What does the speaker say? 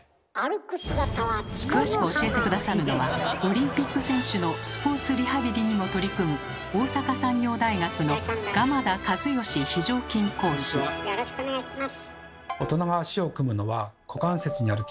詳しく教えて下さるのはオリンピック選手のスポーツリハビリにも取り組むだと考えています。